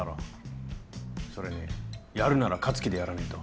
それにやるなら勝つ気でやらねえと。